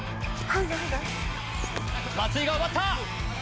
松井が奪った！